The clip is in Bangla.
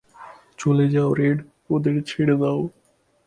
চলে যাও রেড, ওদের ছেড়ে দাও।